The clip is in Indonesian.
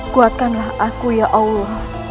kuatkanlah aku ya allah